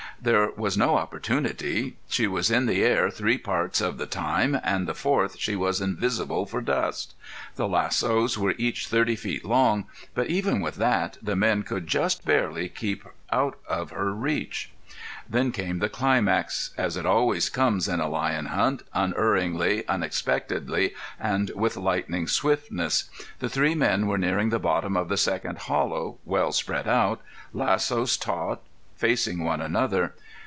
There was no opportunity. She was in the air three parts of the time and the fourth she was invisible for dust. The lassos were each thirty feet long, but even with that the men could just barely keep out of her reach. Then came the climax, as it always comes in a lion hunt, unerringly, unexpectedly, and with lightning swiftness. The three men were nearing the bottom of the second hollow, well spread out, lassos taut, facing one another.